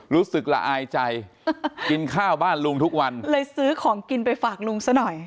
ละอายใจกินข้าวบ้านลุงทุกวันเลยซื้อของกินไปฝากลุงซะหน่อย